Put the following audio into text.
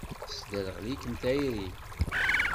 Tesderɣel-ikem tayri.